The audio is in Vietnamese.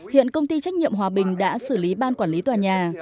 hiện công ty trách nhiệm hòa bình đã xử lý ban quản lý tòa nhà